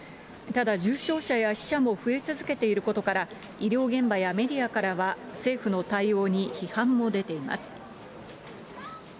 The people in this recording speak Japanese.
ただ、重症者や死者も増え続けていることから、医療現場やメディアからは、政府の対応に批判も出ています。